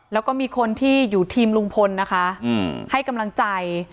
แล้วก็มีคนที่อยู่ทีมลุงพลนะคะให้กำลังใจ